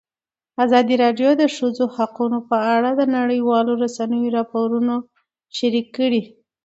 ازادي راډیو د د ښځو حقونه په اړه د نړیوالو رسنیو راپورونه شریک کړي.